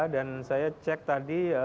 dan saya cek tadi